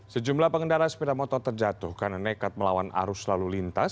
sejumlah pengendara sepeda motor terjatuh karena nekat melawan arus lalu lintas